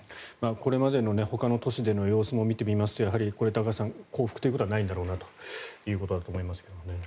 これまでのほかの都市での様子も見てみますとやはり高橋さん降伏ということはないんだろうなということだと思いますけどね。